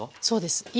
そうです。